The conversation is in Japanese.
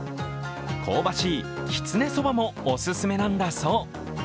香ばしいきつねそばもオススメなんだそう。